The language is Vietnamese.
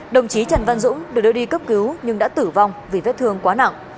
đồng chí trần văn dũng được đưa đi cấp cứu nhưng đã tử vong vì vết thương quá nặng